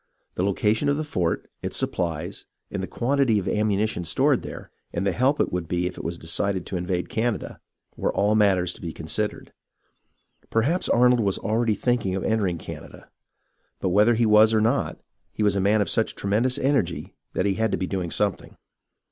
The location of the fort, its supplies, and the quantity of ammuni tion stored there, and the help it would be if it was decided to invade Canada, were all matters to be considered. Per haps Arnold was already thinking of entering Canada ; but whether he was or not, he was a man of such tremendous energy that he had to be doing something.